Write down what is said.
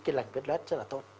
cái lành vết lết rất là tốt